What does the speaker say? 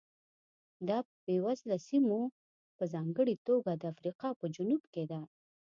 دا په بېوزله سیمو په ځانګړې توګه د افریقا په جنوب کې ده.